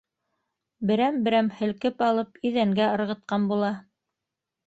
Берәм-берәм һелкеп алып иҙәнгә ырғытҡан була.